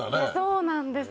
そうなんです。